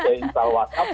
kayak install whatsapp